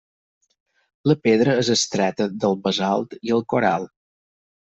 La pedra és extreta del basalt i el coral.